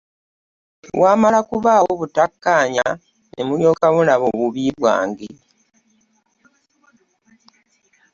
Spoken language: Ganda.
Wamala kubaawo butakkaanya ne mulyoka mulaba obubi bwange?